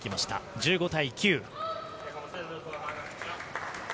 １５対９。